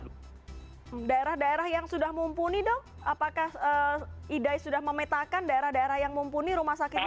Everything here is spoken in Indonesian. daerah daerah yang sudah mumpuni dok apakah idai sudah memetakan daerah daerah yang mumpuni rumah sakit